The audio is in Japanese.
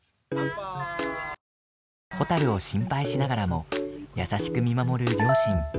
ほたるを心配しながらも優しく見守る両親。